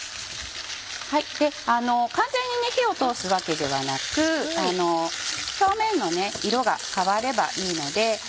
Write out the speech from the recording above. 完全に火を通すわけではなく表面の色が変わればいいので。